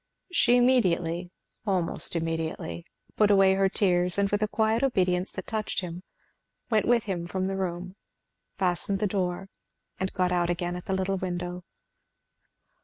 She immediately, almost immediately, put away her tears, and with a quiet obedience that touched him went with him from the room; fastened the door and got out again at the little window.